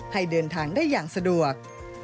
ให้เดินทางได้อย่างสะดวก